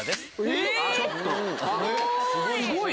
えすごい！